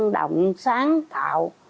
động sáng tạo